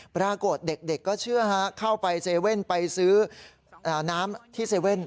ปรากฏเด็กก็เชื่อฮะเข้าไปเซเว่นไปซื้อน้ำที่เซเว่น